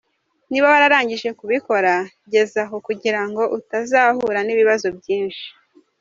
Niba wararangije kubikora gezaho kugira ngo utazahura n’ibibazo byinshi.